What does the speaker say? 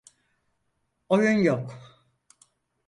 Oyun yok.